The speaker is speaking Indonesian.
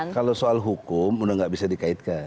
kalau soal hukum udah nggak bisa dikaitkan